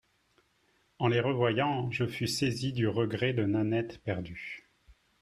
En les revoyant, je fus saisi du regret de Nanette perdue.